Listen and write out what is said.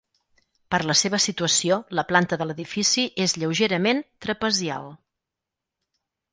Per la seva situació la planta de l'edifici és lleugerament trapezial.